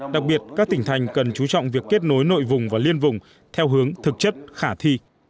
đặc biệt các tỉnh thành cần chú trọng việc kết nối nội vùng và liên vùng theo hướng thực chất khả thi